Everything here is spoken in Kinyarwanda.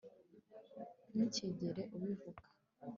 ntukigere ubivuga